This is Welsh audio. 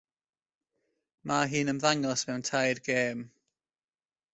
Mae hi'n ymddangos mewn tair gêm.